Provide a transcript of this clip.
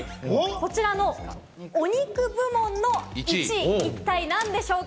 こちらのお肉部門の１位、一体何でしょうか？